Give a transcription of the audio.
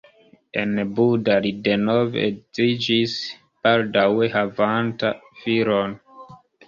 En Buda li denove edziĝis baldaŭe havanta filon.